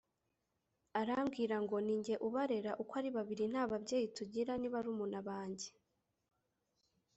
Arambwira ngo ni njye ubarera uko ari babiri nta babyeyi tugira ni barumuna banjye